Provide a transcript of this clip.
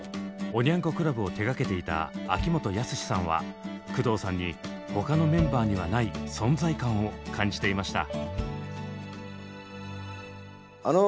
「おニャン子クラブ」を手がけていた秋元康さんは工藤さんに他のメンバーにはない存在感を感じていました。